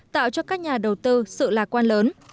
tạo cho các nhà đầu tư sự lạc quan lớn